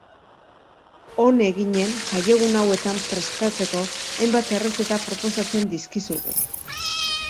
On eginen jaiegun hauetan prestatzeko hainbat errezeta proposatzen dizkizugu.